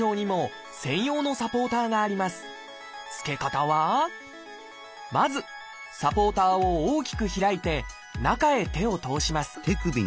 つけ方はまずサポーターを大きく開いて中へ手を通します。